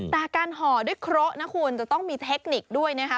แต่การห่อด้วยเคราะห์นะคุณจะต้องมีเทคนิคด้วยนะคะ